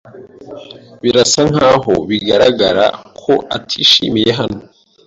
Birasa nkaho bigaragara ko atishimiye hano.